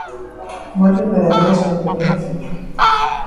Volve para ter a súa primeira filla.